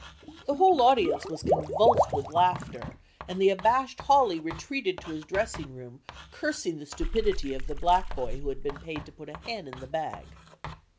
The whole audience was convulsed with laughter and the abashed Hawley retreated to the dressing room cursing the stupidity of the black boy who had been paid to put a hen in the bag.